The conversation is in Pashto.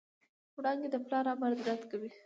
وړانګې د پلار امر رد کړ.